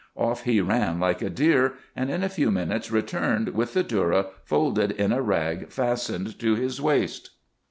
Off he ran like a deer, and in a few minutes returned with the dhourra folded in a rag fastened to his waist.